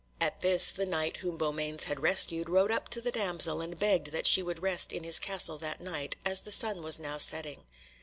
At this the Knight whom Beaumains had rescued rode up to the damsel, and begged that she would rest in his castle that night, as the sun was now setting.